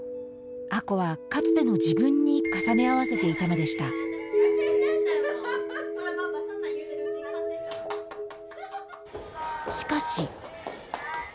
亜子はかつての自分に重ね合わせていたのでしたしかし。